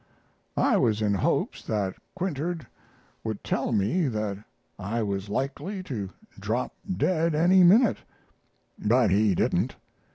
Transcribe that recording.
I was in hopes that Quintard would tell me that I was likely to drop dead any minute; but he didn't.